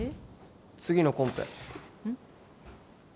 次のコンペうん？